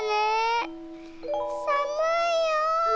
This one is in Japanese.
「さむいよ」。